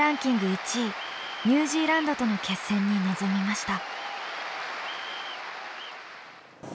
１位ニュージーランドとの決戦に臨みました。